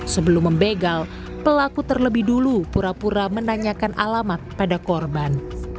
sebelum membegal pelaku terlebih dulu pura pura menanyakan alamat pada korban